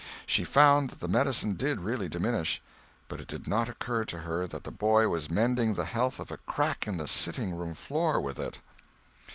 She found that the medicine did really diminish, but it did not occur to her that the boy was mending the health of a crack in the sitting room floor with it.